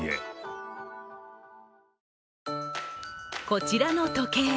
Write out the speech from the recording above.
こちらの時計